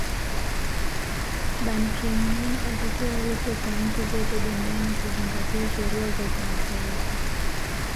Ban Kin moon alitoa wito kwa nchi zote duniani kuzingatia sheria za kimataifa